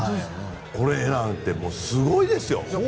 これなんてすごいですよ。